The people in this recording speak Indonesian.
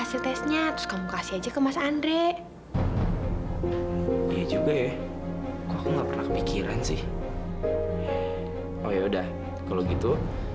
setesnya terus kamu kasih aja ke mas andre juga ya kok nggak berpikiran sih oh ya udah kalau gitu